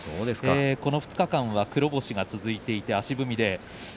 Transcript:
この２日間は黒星が続いていて足踏み。